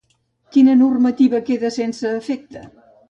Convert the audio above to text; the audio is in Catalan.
Quina normativa queda sense efecte?